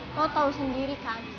kau tau sendiri kan